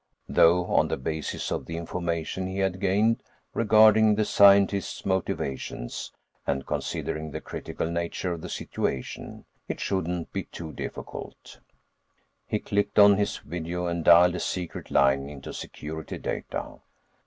Though, on the basis of the information he had gained regarding the scientist's motivations, and considering the critical nature of the situation, it shouldn't be too difficult. He clicked on his video and dialed a secret line into Security Data.